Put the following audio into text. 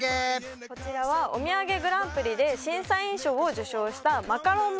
こちらはおみやげグランプリで審査員賞を受賞した